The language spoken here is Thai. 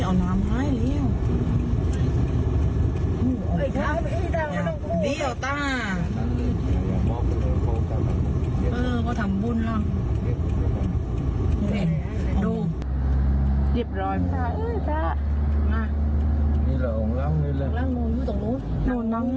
น้องลั้งนี้แหละ